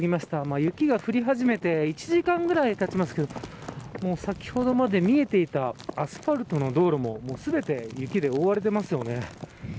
雪が降り始めて１時間ぐらいたちますけど先ほどまで見えていたアスファルトの道路も全て雪で覆われてますよね。